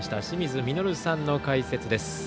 清水稔さんの解説です。